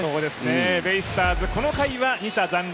ベイスターズ、この回は二者残塁。